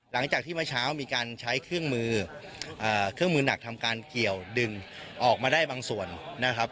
หลังจากที่เมื่อเช้ามีการใช้เครื่องมือเครื่องมือหนักทำการเกี่ยวดึงออกมาได้บางส่วนนะครับ